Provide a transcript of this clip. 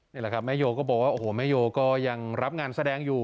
นี่แหละครับแม่โยก็บอกว่าโอ้โหแม่โยก็ยังรับงานแสดงอยู่